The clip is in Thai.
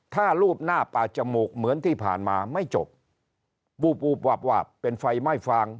ถ้ารูปหน้าป่าจมูกเหมือนที่ผ่านมาไม่จบวูบวูบวาบวาบเป็นไฟไหม้ฟาง